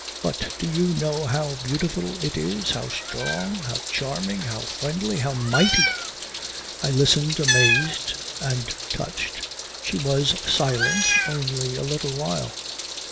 But do you know how beautiful it is, how strong, how charming, how friendly, how mighty ..." I listened amazed and touched. She was silent only a little while.